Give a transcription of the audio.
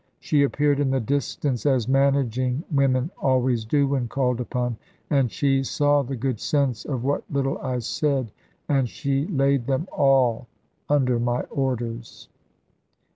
She appeared in the distance, as managing women always do when called upon; and she saw the good sense of what little I said, and she laid them all under my orders.